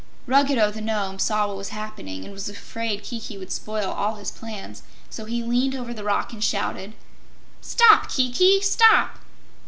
Ruggedo the Nome saw what was happening and was afraid Kiki would spoil all his plans, so he leaned over the rock and shouted: "Stop, Kiki stop!"